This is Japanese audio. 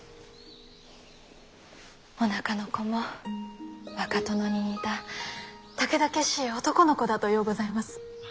おなかの子も若殿に似たたけだけしい男の子だとようございます。